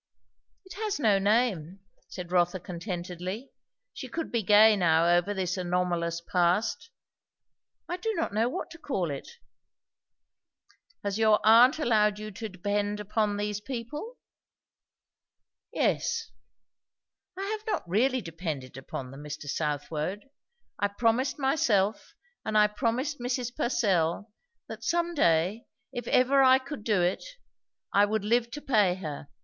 "It has no name," said Rotha contentedly. She could be gay now over this anomalous past. "I do not know what to call it." "Has your aunt allowed you to depend upon these people?" "Yes. I have not really depended upon them, Mr. Southwode. I promised myself, and I promised Mrs. Purcell, that some day, if I ever could do it, I would live to pay her.